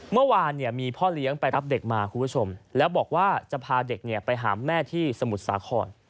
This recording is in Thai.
เมื่อวานมีพ่อเลี้ยงไปรับเด็กมาคุณผู้ชมแล้วบอกว่าจะพาเด็กไปหาแม่ที่สมุทรสาคร